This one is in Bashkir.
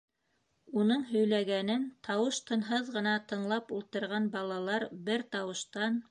Уның һөйләгәнен тауыш-тынһыҙ тыңлап ултырған балалар бер тауыштан: